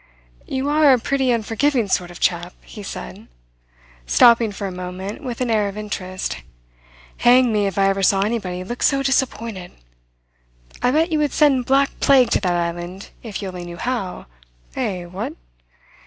"You are a pretty unforgiving sort of chap," he said, stopping for a moment with an air of interest. "Hang me if I ever saw anybody look so disappointed! I bet you would send black plague to that island if you only knew how eh, what?